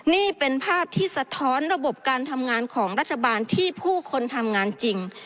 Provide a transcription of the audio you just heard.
นี่เป็นภาพที่สะท้อนระบบการทำงานของรัฐบาลที่ผู้คนทำงานจริง